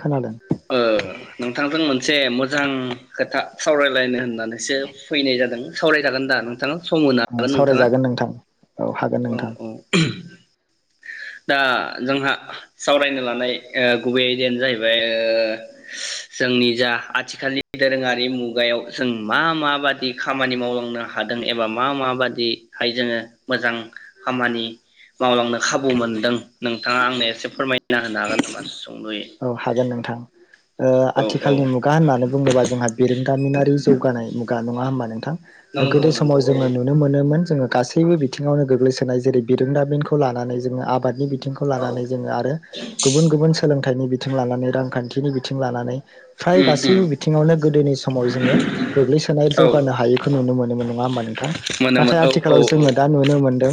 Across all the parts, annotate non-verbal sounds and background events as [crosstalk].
खोनादों नोंथांजों मोनसे। मोनसे मोजां खोथा सावरायलायनो होननानै। होननानैसो फैनाय जादों। सावरायजागोन दा नोंथां? सावरायजागोन नोंथां औ हागोन नोंथां। दा जोंहा सावरायनो लानाय गुबै आयदायानो जाहैबाय। बे जोंनि जा आथिखालनि दोरोङारि मुगायाव जों मा माबादि खामानि मावलांनो हादों। एबा मा माबादिहाय जोङो मोजां खामानि मावलांनो खाबु मोनदों नोंथाङा आंनो एसे फोरमायना होनो हागोन ना। थंलु [inaudible] [unintelligible] औ हागोन नोंथां आथिखालनि मुगा होननानै बुङोबा जोंहा बिरोंदामिनारि जौगानाय मुगा नङा होमबा नोंथां? नंगौ गोदो समाव नंगौ जोङो औ नुनो मोनोमोन। जोङो गासैबो बिथिङाव गोग्लैसोनाय जेरै बिरोंदाबिनखौ लानानै जोङो आबादनि बिथि औ लानानै जोङो आरो गुबुन गुबुन सोलों सोलोंथाइनि बिथिं लानानै रांखान्थिनि बिथिं लानानै। फ्राय उम उम गासैबो बिथिङावनो गोदोनि समाव जोङो गोग्लैसोनाय औ जौगानो हायखौ नुनो मोनोमोन नङा होमा नोंथां। मोनोमोन नाथाय औ औ आथिखालाव जोङो दा नुनो मोनदों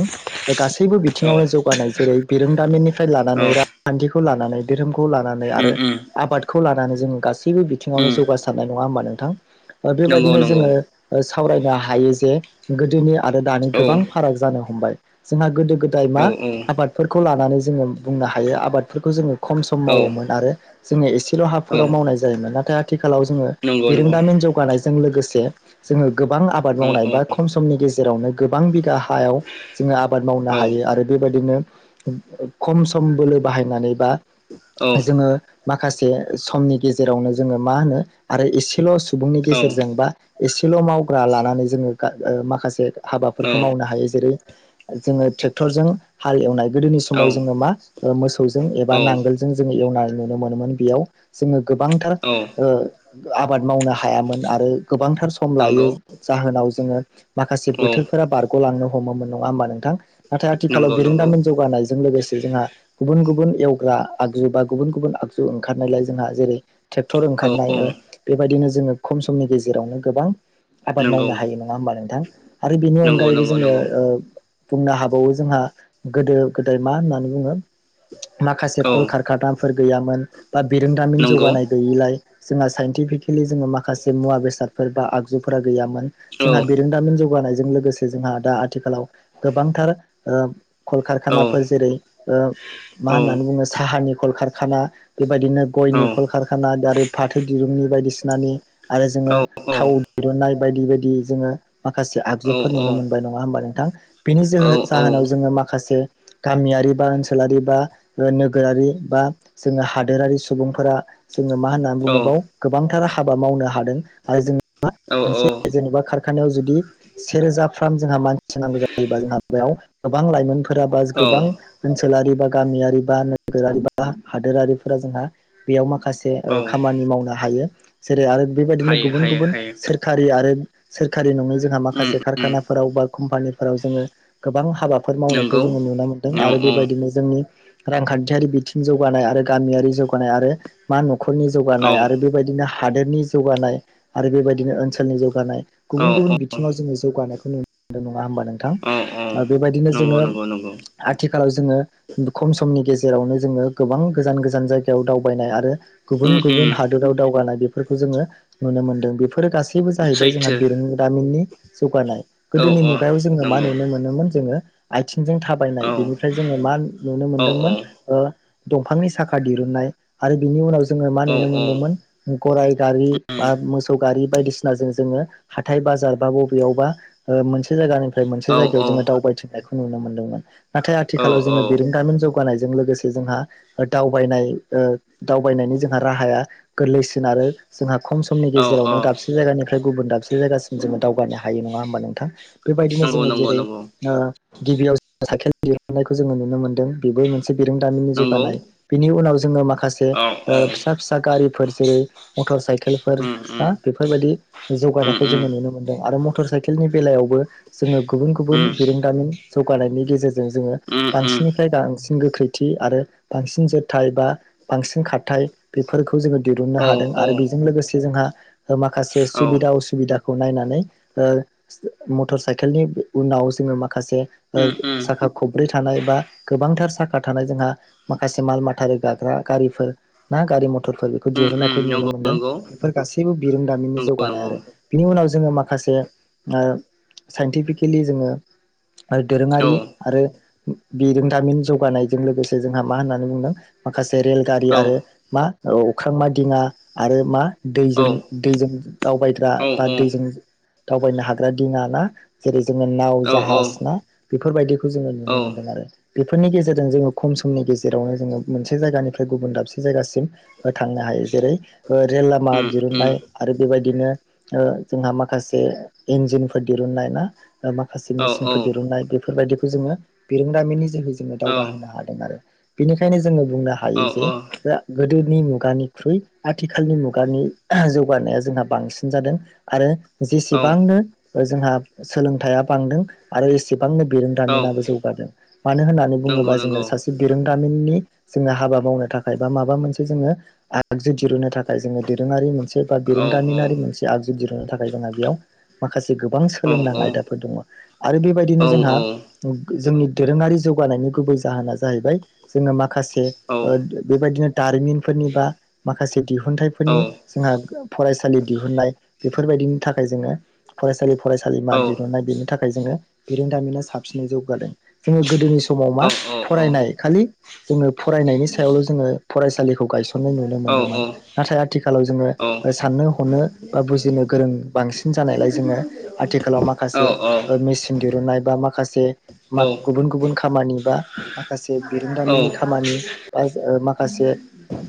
गासैबो औ बिथिङावनो जौगानाय जेरै बिरोंदामिननिफ्राय औ लानानै रांखान्थिखौ खौ लानानै। धोरोमखौ ल उम आरो उम आबादखौ लानानै जों गासैबो गासैबो बिङाव उम जौगासारनाय नङा होनबा? थां ओ नंगौ बेबायदिनो नंगौ जोङो ओ सिस सावरायनो हायो जे गोदोनि। आरो दानि औ गोबां फाराग जानो हमबाय। जोंहा गोदोग गोदाय औ मा आबादफोरखौ लानानै जोङो बुंनो हायो आबादफोरखौ जोङो खम सम मावोमोन औ आरो जोंनि एसे बेल' औ हाफोराव मावनाय जायोमोन नाथाय आथ खालाव जोंङो नंगौ नंगौ बिरोंदामिन जौगानाय जों लोगोसे जोङो गोबां आबाद औ मावनाय औ बा खम समनि गेजे जेरावनो गोबां बिदा हायाव जोङो आबाद मावनो औ हायो आरो बेबायदिनो खम सम बोलो बाहायनानै बा औ जोङो माखासे समनि गेजेरावनो जोङो मा होनो आरो एसेल' सुबुंनि गेजेरजों बा एसेल' मावग्रा लानानै जोङो गा गा माखासे हाबाफोरखौ मावनो हायो जेरै जोङो ट्रेक्टरजों हाल एवनाय गोदोनि औ समाव जोङो मा ओ मोसौजों एब बा औ नांगोलजों जों एवनाय नुनो मोनोमोन बेयाव जोङो गोबांथार ओ आबाद मावनो हायामोन आरो गोबांथार सम नंगौ लायो जाहोनाव जोंङो माखासे औ बोथोरफोरा बारग'लांनो ह हमोमोन नङा होमबा नोंथां? नाथाय आथिखालाव नंगौ नंगौ बेरोंदामिन जौगानायजों लोगोसे जोंहा गुबुन गुबुन एव ग्रा आगजु बा गुबुन गुबुन आगजु ओंखारनायलाय जोंहा जेरै ट्रेक्टर औ ओंखारनाय औ ओ बेबायदिनो ज जोङो खम समनि गेजेरावनो गोबां आबाद नंगौ मावनो हायो नङा होमबा नोंथां? आरो बेनि नंगौ अनगायैबो नंगौ जोङो नंगौ ओ बुंनो हाबावो जोंहा गोदो गोदाय मा होननानै बुङो माखासे औ कलखार खानाफोर गैयामोन बा बिरोंदामिन नंगौ जौगानाय गैयिलाय जोंहा साइन्टिफिकेलि जोङो माखासे मुवा बेसादफोर बा आगजुफोरा गैयामोन औ जोंहा बेरोंदामिन जौगानाय जों लोगोसे जोंहा दा आथिखालाव गोबांथार ओ कलखार औ खानाफोर जेरै ओ मा औ होननानैुङो साह आ नि कलखारखाना बेबायदिनो औ गयनि कलकारखाना दारो फाथो दिरुंनि बायदिसिनानि आरो जोङो औ थाव दिहुननाय बायदि बायदि जोङो माखासे औ आगजुफोर औ नुनो मोनबाय नङा होमबा नोंथां? बिनि जोहो जाहोनाव जोङो माखासे गामियारि बा ओनसोलारि बा नोगोरारि बा जोङो हादोरारि सुबुंफोरा जोङो मा होन्ना औ बुङोबाव गोबां थार हाबा मावनो हादों आरो जों मा मोनसे औ जेनेबा खार खानायाव जुदि सेरोजाफ्राम जोंहा मानसि नांगौ जायोबा जोंहा बेयाव गोबां लाइमोन फोराबा जा औ गोबां ओनसोलारि बा गामियारि बा नोगोरारि बा हादोरारिफोरा जोंहा बेयाव माखा खासे औ ओ खामानि मावनो हायो । जेरै आरो बेबायदिनो हायो गुबुन हायो गुबुन हायो सोरखारि आरो सोरखारि नङै जोंहा उम माखासे उम खारखानाफोराव बा कम्पानिफोराव जोङो गोबां हा हाबाफोर मावनायखौ नंगौ जोंङो नुनो मोन्दों औ आरो बेबायदिनो जोंनि रांखान्थियारि बिथिं जौगानाय आरो गामियारि जौगानाय आरो मानह खरनि औ जौगानाय आरो बेबायदिनो हा हादोदनि जौगानाय आरो बेबायदिनो ओनसोलनि जौगानाय। औ गुबुन गुबुन बिथिंङाव जोंङो जौगानाय [unintelligible] दा होनोमबा नोंथां औ औ ओ बेबायदिनो नंगौ जोंङो नंगौ नंगौ आथिखालाव जोङो। खम समनि गेजेरावनो जोंङो गोबां गोजान गोजान जायगायाव दावबायनाय आरो। उम गुबुन उम गुबुन हादोराव दावगानाय बे फोरखौजोंङो नुनो मोनदों बेफ फोर गासैबो जाहैबाय जोंहा सैथो बिरोंदामिननि जौगानाय औ गोदोनि औ मुगायाव जोंङो मा नंगौ नुनो मोनोमोन जोंङो। आयथिख जों थाबायनाय औ बेनिफ्राय जोंङो मान नुनो औ मोनदोंमोन ओ। दंफांनि साखा दिरुननाय आरो बिनि उनावज जोंङो मा औ नुनो औ मोनदोंमोन उम गराय गारि उम बाब मोस सौ गारि बायदिसिना जों जोंङो हाथाय बाजार बा बबेयावबा ओ मोनसे जायगानिफ फ्राय मोनसे औ जायगायाव जोंङो दावबायथिंननायख नुनो मोनदोंमोन। नाथाय आथिखालाव औ औ जोंङोब बिरोंदामिन जौगानायज जों लोगोसे जोंहा ओ दावबायनाय ओ दावबायनायनि जोंहा राहाया गोरलैसिन आरो जोंहाब खम समनि औ औ गेजेरावनो दाबसे जायगानिफ्राय गुबुन दाबसे जो जायगासिम जोंङो दावगानो हायो नंङा होमबा नोंथां। बेबायदिनो नंगौ जोंङो नंगौ जेरै नंगौ ओ गिबियावज साइखेल दिरुनायखौ जोंङो नु नो मोनदों बेबो मोनस बिरोंदामिननि नंगौ जौगानाय बिनि उनावज जोंङो माख खासे औ औ ओ फिसा फिसा गारि फोर‌ जेरै मथरसाइक उम उम बेफोरबायदि उम जौगानायखौ उम जोंङो नुनो मोनदों आरो मटर साइकेलनि बेलायावबो जोंङो गुबुन गुबुन उम बिरोंदामिन जौगानायनि गेजेरजों जोंङो उम उम बांसिननिफ्राय बांसिन गोख्रैथि आरो बांसिन जोरथाय बा बांसिन खार बेफोरखौ खौ जोंङो दिरुननो औ हादों औ आरो बेजों लोगोसे जोंहा माखासे औ सुबिदा असुबिदा नायनानै मर ओ साइकेलनि उनाव जोङो माखासे उम उम साखा खब्रै थानाय बा गोबांथार साखा थानाय जोंहा माखासे माल माथारि रोगाग्रा गारिफोर ना गारि मथर थरफोर बेखौ दिहुननायखौ उम नुनो नंगौ मोन्दों। नंगौ बेफोर गासैबो बिरोंदामिननि नंगौ जौगानाय नंगौ आरो बिनि उनाव जोङो माखासे साइन्टिफिकेलि जोङो आरो दोरोङारि औ आरो बिरोंदामिन जौगानायजों लोगोसे जोंहा मा होननानै बुंदों माखासे रेल गारि औ आरो मा औ अख्रां मा दिङा आरो मा? दैजों दैजों दावबायग्रा औ बा दैजों दावबायनो हाग्रा दिङा ना जेरै जोङो नाव औ जाहाज ना बेफोरबायदिखौ जोङो औ नुनो मोनो। बेफोरनि गेजेरजों जोङो खम समनि गेजेरावनो जोङो मोनसे जायगानिफ्राय गुबुन दाबसे जायगासिम थांनो हायो। जेरै रेल लामा उम उम दिरुननाय आरो बेबायदि बिदिनो ओ जोंहा माखासे इन्जिनफोर दिरुननाय ना? माखासे औ मेसिनफोर दिरुननाय बेफोरबायदि बेखौ जोङो बिरोंदामिननि जोहै जोङो दावगाहोनो हादों आरो। बेनिखायनो जोङो बुंनो औ हायो जे दा गोदो नि मुगानिख्रुइ आथिखालनि मुगानि जौगानाया जोंहा बांसिन जादों आरो जेसेबांनो जोंहा सोलोंथाइया बांदों आरो एसे बांनो औ बिरोंदामिनाबो जौ हादों। मानो होननानै नंगौ बुङोबा जोङो नंगौ सासे बिरोंदामिननि जोङो हाबा मावनो थाखाय बा माबा मोनसे जोङो आगजु दिरुन्नो थाखाय जोङो दोरोङारि मोनसे बा औ बिरोंदामिनारि मोनसे आगजु जिरुन्नो थाखाय जोंहा बेयाव माखासे गोबां औ सोलोंनां औ आयदाफोर दङ'। आरो बेबायदिनो औ जोंहा जोंनि दोरोङारि जौगानायनि गुबै जाहोना जाहैबाय जोङो मा खासे औ ओ बेबायदिनो दारिमिनफोरनि बा मा हासिब औ दिहुनथाइफोरनि जोंहा फरायसालि दिहुननाय। बेफोरबायदिनि थाखाय जोङो फरायसालि फरायसालिमा औ दिरुननाय बेनि थाखाय जोङो बिरोंदामिना साबसिनै जौ हादों। जोङो गोदोनि समाव मा फरायनाय खालि जोङो फरायनायनि सायावल' जोङो फरायसालि खौ गायसननाय नुनो मोनदों नाथाय आथिखालाव जोङो साननो हनो बा बुजिनो गोरों बांसिन जानायलाय जोङो आथिखालाव माखासे ओ मेचन दिरुननाय बा मा खायसे मा गुबुन गुबुन खामानि बा माखासे औ बिरोंदामिननि खामानि बा माखासे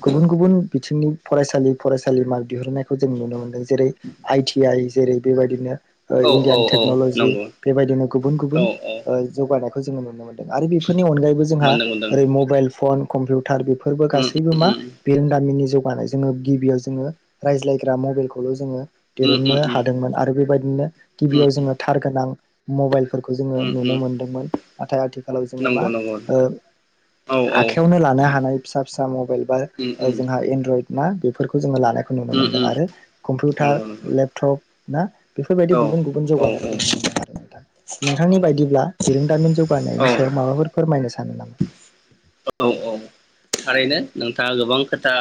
गुबुन गुबुन बिथिंनि फरायसालि फरायसालिमा दिहुननायखौ जों नुनो मोननाय जेरै आइटि आइ जेरै बेबायदिनो ओ इण्डियान औ औ टेक्नलजि नंगौ बेबायदिनो गुबुन औ गुबुन औ ओ जानायखौ जोङो नुनो मोनदों आरो बेफोर नि अनगायैबो जोंहा मोनदों मोनदों जेरै मबाइल फन कमपिउ टार बेफोरबो उम गासैबो मा उम बिरोंदामिननि जौ गानाय जोङो गिबियाव जोङो रायज्लायग्रा मबाइलखौल' जोङो उम दिरुननो उम उम हादोंमोन आरो बेबायदिनो गिबियाव जोङो उम थार गोनां मबाइल फोरखौ जोङो उम नुनो उम मोन ओम नाथाय आथिखालाव जोङो मा नंगौ नंगौ ओ औ औ आखायावनो लानो हानाय फिसा फिसा मबाइल बा उम ओ उम जोंहा एनरयद मा बेफोरखौ जोङो ला खौ नुनो उम मोनदों उम आरो कम्पिउटार नंगौ नंगौ लेपटप ना बेफोरबायदि औ गुबुन गुबुन औ जौगानायखौ नुनो औ मोनदों आरो नोंथां नोंथांनि बायदिब्ला बिरोंदामिन औ जौगानायनि सायाव माबाफोर फोरमायनो सा नामा औ औ थारैनो नोंथाङा गोबां खोथा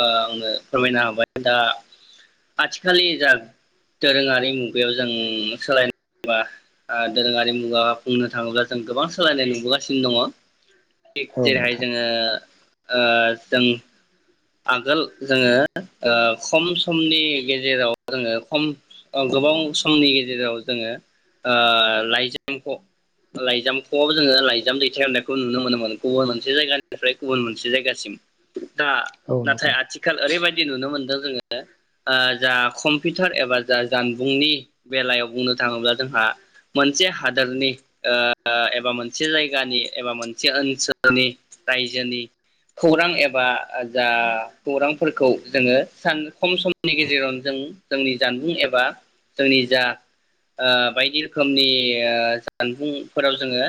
आंनो फोरमायनो हाबाय दा आथिखालनि जा दोरोङारि मुगायाव जों सोलायनाया दोरोङारि मुगा बुंनो थाङोब्ला जों गोबां सोलायनाय नुबोगासिनो दङ औ जेरैहाय नोंथां जोङो जों आगोल जोङो ओ खम समनि गेजेराव जोङो खम गोबाव समनि गेजेराव जोङो ओ लाइजामखौ लाइजामखौआव जोङो लाइजाम दैथायहनायखौ नुनो मोनोमोन गुबुन मोनसे जायगानिफ्राय गुबुन मोनसे जायगासिम दा औ नाथाय नोंथां आथिखालाव ओरैबायदि नुनो मोनदों जोङो जा कम्पिउटार एबा जा जानबुंनि बेलायाव बुंनो थाङोब्ला जोंहा मोनसे हादोरनि एबा मोनसे जायगानि एबा मोनसे ओनसोलनि जोंनि रायजोनि खौरां एबा जा खौरांफोरखौ जोङो सान खम समनि गेजेराव जों जोंनि जानबुं एबा जोंनि जा बायदि रोखोमनि जानबुंफोराव जोङो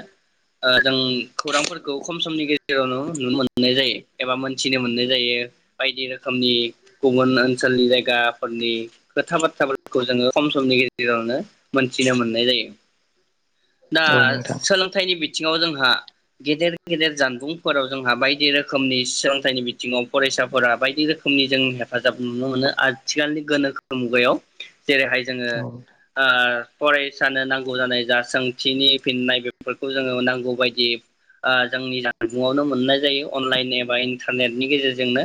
जों खौरांफोरखौ खम समनि गेजेरावनो नुनो मोननाय जायो एबा मोन्थिनो मोननाय जायो बायदि रोखोमनि गुबुन ओनसोलनि जायगाफोरनि खोथा बाथ्राफोरखौ जोङो खम समनि गेजेरावनो मोनथिनो मोननाय जायो दा औ नोंथां सोलोंथाइनि बि थिङाव जोंहा गेदेर गेदेर जानबुंफोराव जोंहा बायदि रोखोमनि सोलोंथाइनि बिथिङाव फरायसाफोरा बायदि रोखोमनि जों हेफाजाब नुनो मोनो आथिखालनि गोनोखो मुगायाव जेरैहाय जोङो औ ओ फरायसानो नांगौ जानाय जा सोंथिनि फिननाय बेफोरखौ जोङो नांगौ बायदि ओ जोंनि जानबुंवनो मोननाय जायो अनलाइन एबा इन्टारनेटनि गेजेरजोंनो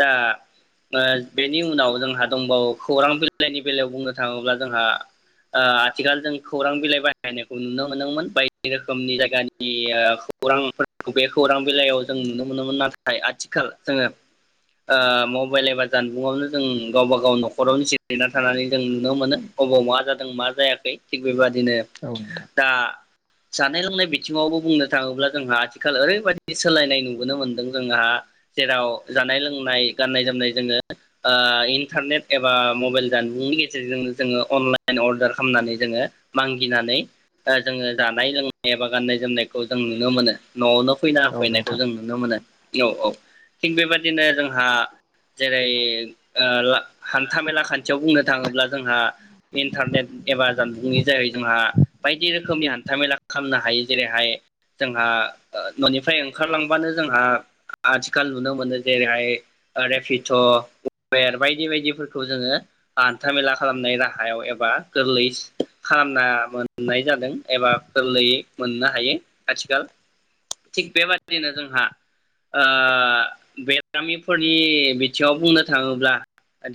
दा बेनि उनाव जोंहा दंबावो खौरां बिलाइनि बेलायाव बुंनो थाङोब्ला जोंहा आ आथिखाल जों खौरां बिलाइ बाहायनायखौ नुनो मोनदोंमोन बायदि रोखोमनि जायगानि आ खौरां बे खौरां बिलाइयाव जों नुनो मोनोमोन नाथाय आथिखाल जोङो ओ म मबाइलायबा जानबुंआवनो जों गावबा गाव न'खरावनो जिरायना थानानै जों नुनो मोनो अबाव मा जादों मा जायाखै थिग बेबादिनो नोंथां दा जानाय लोंनाय बिथिङावबो बुंनो थाङोब्ला जोंहा आथिखाल ओरैबायदि सोलायनाय नुबोनो मोन्दों जोंहा जेराव जानाय लोंनाय गाननाय जोमनाय जोङो ओ इन्टारनेट एबा मबाइल जानबुंनि गेजेरजों जोङो अनलाइन अर्डार खालामनानै जोङो मागिनानै जोङो जानाय लोंनाय एबा गाननाय जोमनाय खौ जों नुनो मोनो न'आवनो फैना औ होफैनायखौ नोंथां जों नुनो मोनो। औ औ थिग बेबाददिनो जोंहा जेरै हान्थामेला खान्थियाव बुंनो थाङोब्ला जोंहा इन्टारनेट एबा जानबुंनि जायै जोंहा बायदि रोखोमनि हान्था मेला खालामनो हायो जेरैहाय जोंहा न'निफ्राय ओंखारलांबानो जोंहा आथिखाल नुनो मोनो जेरैहाय रेपिट' उबेर बायदि बायदिफोरखौ जोङो हान्थामेला खालामनाय राहायाव एबा गोरलै खालामना मोननाय जादों एबा गोरलैयै मोननो हायो। आथिखाल थिग बेबाददिनो जोंहा ओ बेरामिफोरनि बिथिङाव बुंनो थाङोब्ला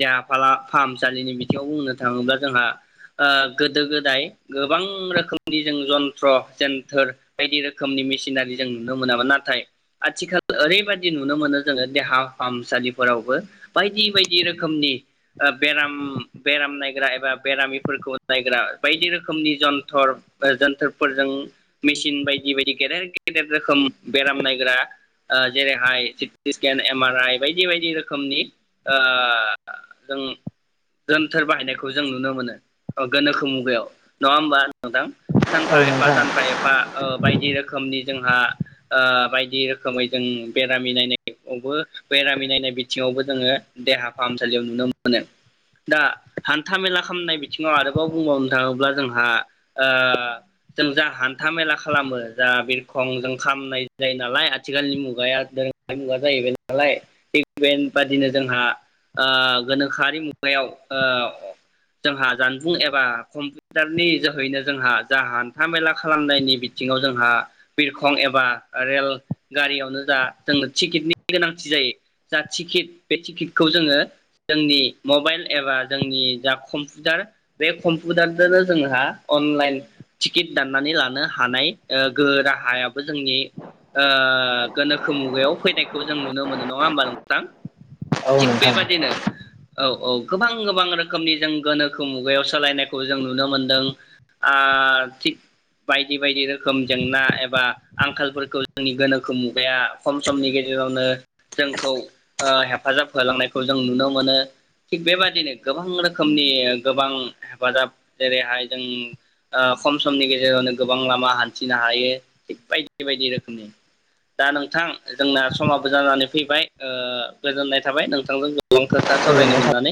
देहा फालाम-फाहामसालिनि बिथिङाव बुंनो थाङोब्ला जोंहा गोदो गोदाय गोबां रोखोमनि जों जन्थ्र जोन्थोर बायदि रोखोमनि मेसिनारि जों नुनो मोनामोन नाथाय आथिखाल ओरैबायदि नुनो मोनो जोङो देहा फाहामसालिफोरावबो बायदि बायदि रोखोमनि ओ बेराम बेराम नायग्रा एबा बेरामिफोरखौ नायग्रा बायदि रोखोमनि जन्थर जोनथोरफोरजों मेसिन बायदि बायदि गेदेर गेदेर रोखोम बेराम नायग्रा जेरैहाय CT scan M R I बायदि बायदि रोखोमनि ज जोनथोर बाहायनायखौ जों नुनो मोनो गोनोखो मुगायाव नङा होनबा औ नोंथां सानफा औ एफा नोंथां सानफा एफा रोखोमनि जोंहा ओ बायदि रोखोमै जों बेरामि नायनायबो बेरामि नायनाय बिथिङावबो जोङो देहा फाहामसालियाव नुनो मोनो दा हान्था मेला खालामनाय बिथिङाव आरोबाव बुंबावनो थाङोब्ला जोंहा जों जा हान्था मेला खालामो जा बिरखं जों खालामनाय जायो नालाय आथिखालनि मुगाया दोरोङारि मुगा जाहैबाय नालाय थिग बेबादिनो जोंहा ओ गोनोखोआरि मुगायाव ओ जोंहा जानबुं एबा कम्पिउटारनि जोहैनो जोंहा जा हान्था मेला खालामनायनि बि थिङाव जोंहा बिरखं एबा रेल गारियावनो जा जोंनो टिकेटनि गोनांथि जायो जा टिकेट बे टिकेटखौ जोङो जोंनि मबाइल एबा जोंनि जा कम्पिउटार बे कम्पिउटारजोंनो जोंहा अनलाइन टिकेट दाननानै लानो हानाय ओ गोहो राहायाबो जोंनि ओ गोनोखो मुगायाव फैनायखौ जों नुनो मोनो नङा होमबा नोंथां। औ थिग बेे नोंथां बादिनो औ औ गोबां गोबां रोखोमनि जों गोनोखो मुगायाव सोलायनायखौ जों नुनो मोनदों आ थिग बायदि बायदि रोखोम रोखोम जेंना एबा आंखालफोरखौ जोंनि गोनोखो मुगाया खम समनि गेजेरावनो जोंखौ ओ हेफाजाब होलांनायखौ जों नुनो मोनो थिग बेबादिनो गोबां रोखोमनि गोबां हेफाजाब जेरैहाय जों ओ खम समनि गेजेरावनो गोबां लामा हान थिनो हायो थिग बायदि बायदि रोखोमनि दा नोंथां जोंना समाबो जानानै फैबाय ओ गोजोननाय थाबाय नोंथांजों गोबां खोथा सावरायनो गोजोननाय मोननानै